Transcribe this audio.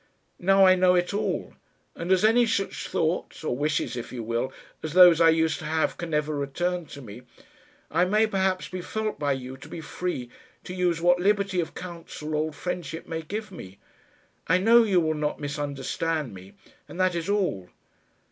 Now I know it all; and as any such thoughts or wishes, if you will as those I used to have can never return to me, I may perhaps be felt by you to be free to use what liberty of counsel old friendship may give me. I know you will not misunderstand me and that is all.